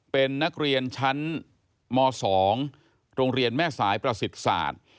เป็นนักเรียนชั้นม๒โรงเรียนแม่สายประสิทธิ์ศาสตร์